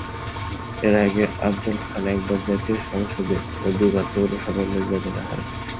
এর আগে আফজল খান একবার জাতীয় সংসদে ও দুবার পৌরসভা নির্বাচনে হারেন।